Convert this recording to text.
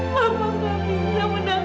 mama mampirnya menangis